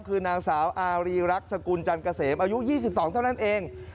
คือนางสาวอารีรักษกุลจันเกษมอายุ๒๒เท่านั้นเอง